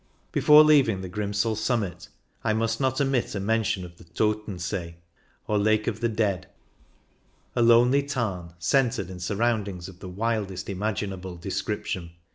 Before leaving the Grimsel summit I must not omit a mention of the Todten See, or Lake of the Dead, a lonely tarn centred in surroundings of the wildest imaginable description.